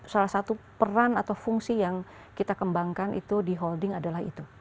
salah satu peran atau fungsi yang kita kembangkan itu di holding adalah itu